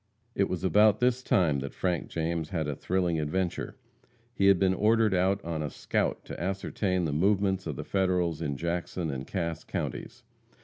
It was about this time that Frank James had a thrilling adventure. He had been ordered out on a scout to ascertain the movements of the Federals in Jackson and Cass counties.